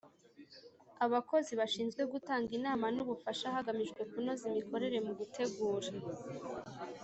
Abakozi bashinzwe gutanga inama n ubufasha hagamijwe kunoza imikorere mu gutegura